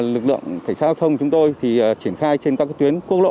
lực lượng thanh trao thông chúng tôi thì triển khai trên các tuyến quốc lộ